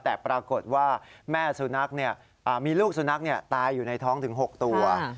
แต่ปรากฏว่าแม่สุนัขมีลูกสุนัขตายอยู่ในท้องถึง๖ตัว